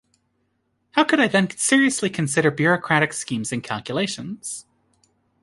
How could I then seriously consider bureaucratic schemes and calculations.